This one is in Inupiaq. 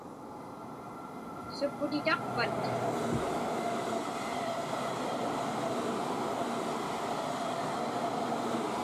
Supputitaqpat?